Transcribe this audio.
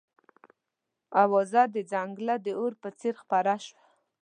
اوازه د ځنګله د اور په څېر خپره شوه.